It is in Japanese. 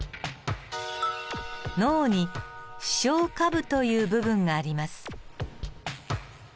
脳に視床下部という部分があります。